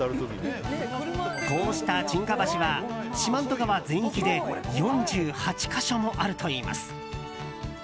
こうした沈下橋は四万十川全域で４８か所もあるといいます。